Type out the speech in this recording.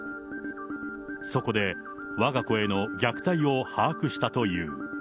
そこで、わが子への虐待を把握したという。